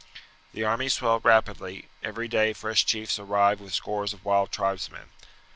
The army swelled rapidly; every day fresh chiefs arrived with scores of wild tribesmen.